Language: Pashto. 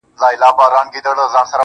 هغه راځي خو په هُنر راځي، په مال نه راځي,